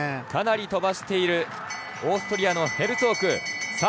かなり飛ばしているオーストリアのヘルツォーク。